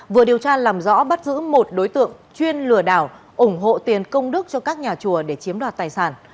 vừa điều tra làm rõ bắt giữ một đối tượng chuyên lừa đảo ủng hộ tiền công đức cho các nhà chùa để chiếm đoạt tài sản